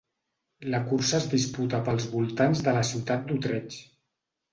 La cursa es disputa pels voltants de la ciutat d'Utrecht.